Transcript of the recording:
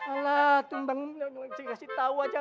alah tunggu nanti kasih tau aja